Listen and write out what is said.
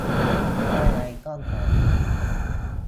ใต้ไอคอนสามขีด